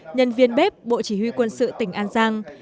nhân viên bếp bộ chỉ huy quân sự tỉnh an giang